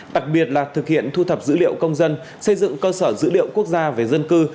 đặc biệt là thực hiện thu thập dữ liệu công dân xây dựng cơ sở dữ liệu quốc gia về dân cư